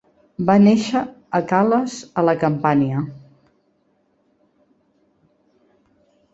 Va néixer a Cales a la Campània.